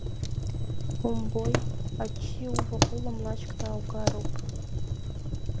Умбои, аччиа иуваҟәыло млашьк дааугароуп…